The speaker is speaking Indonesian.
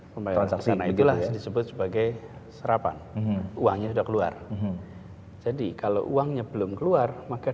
pembayaran kesana itulah disebut sebagai serapan uangnya sudah keluar jadi kalau uangnya belum keluar maka